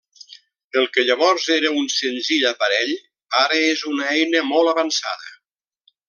El que llavors era un senzill aparell ara és una eina molt avançada.